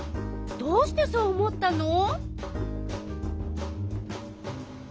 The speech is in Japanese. どうしてそう思ったの？